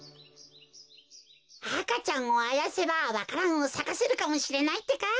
赤ちゃんをあやせばわか蘭をさかせるかもしれないってか。